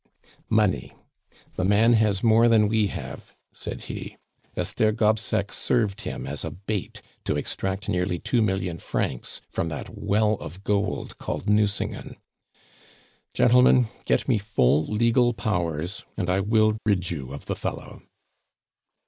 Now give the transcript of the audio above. "Money! The man has more than we have," said he. "Esther Gobseck served him as a bait to extract nearly two million francs from that well of gold called Nucingen. Gentlemen, get me full legal powers, and I will rid you of the fellow."